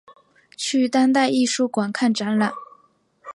去当代艺术馆看展览